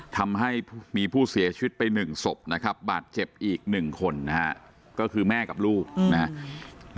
ทำให้มีผู้เสียชีวิตไป๑ศพนะครับบาดเจ็บอีกหนึ่งคนนะฮะก็คือแม่กับลูกนะครับ